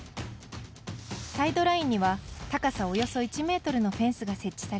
サイドラインには、高さおよそ１ｍのフェンスが設置されます。